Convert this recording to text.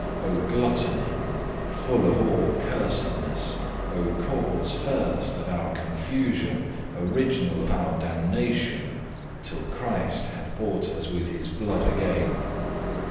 O gluttony, full of all cursedness; O cause first of our confusion, Original of our damnation, Till Christ had bought us with his blood again!